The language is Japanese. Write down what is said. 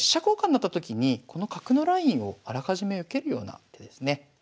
交換なったときにこの角のラインをあらかじめ受けるような手ですね。